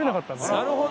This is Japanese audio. なるほど！